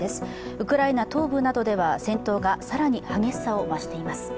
ウクライナ東部などでは戦闘が更に激しさを増しています。